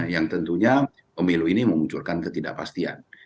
yang tentunya pemilu ini memunculkan ketidakpastian